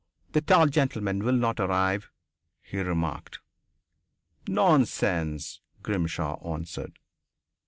"The tall gentleman will not arrive," he remarked. "Nonsense," Grimshaw answered.